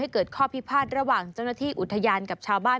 เกิดข้อพิพาทระหว่างเจ้าหน้าที่อุทยานกับชาวบ้าน